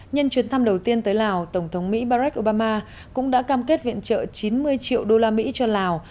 nhân chuyến thăm đầu tiên tới lào tổng thống mỹ barack obama cũng đã cam kết viện trợ chín mươi triệu đô la mỹ cho lào